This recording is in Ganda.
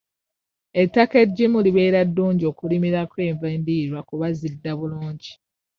Ettaka eggimu libeera ddungi okulimirako enva endiirwa kuba zidda bulungi.